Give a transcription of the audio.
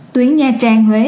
tuyến nha trang huế